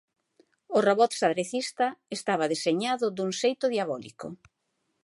O robot xadrecista estaba deseñado dun xeito diabólico.